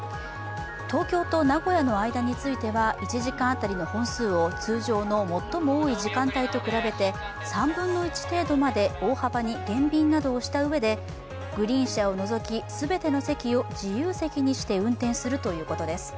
東京と名古屋の間については１時間当たりの本数を通常の最も多い時間帯に比べて３分の１程度まで大幅に減便などをしたうえでグリーン車を除き全ての席を自由席にして運転するということです。